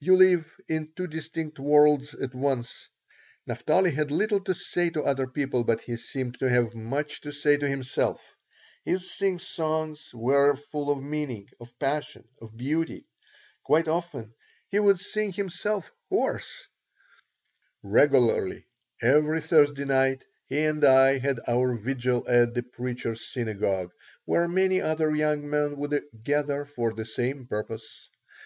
You live in two distinct worlds at once. Naphtali had little to say to other people, but he seemed to have much to say to himself. His singsongs were full of meaning, of passion, of beauty. Quite often he would sing himself hoarse Regularly every Thursday night he and I had our vigil at the Preacher's Synagogue, where many other young men would gather for the same purpose.